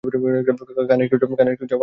খান একটু চা, ভালো লাগবে।